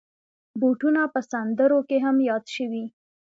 بوټونه په سندرو کې هم یاد شوي.